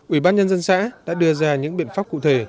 ủy ban nhân dân xã đã đưa ra những biện pháp cụ thể